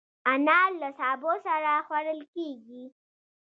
انار له سابه سره هم خوړل کېږي.